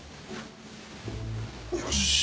よし。